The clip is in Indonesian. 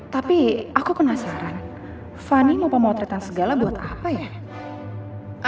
tapi aku penasaran fanny mau pemotretan segala buat apa ya